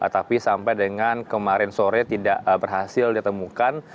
tapi sampai dengan kemarin sore tidak berhasil ditemukan